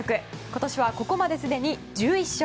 今年はここまで、すでに１１勝。